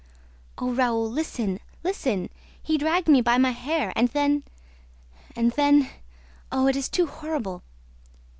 "Oh, Raoul, listen, listen! ... He dragged me by my hair and then ... and then ... Oh, it is too horrible!"